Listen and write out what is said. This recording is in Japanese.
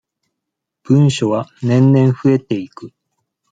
文書は年々増えていく。